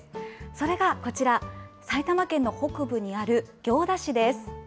それがこちら、埼玉県の北部にある行田市です。